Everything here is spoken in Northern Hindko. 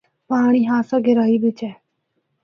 پانڑی خاصا گہرائی بچ اے۔